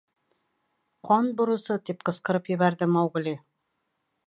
Ҡан бурысы! — тип ҡысҡырып ебәрҙе Маугли.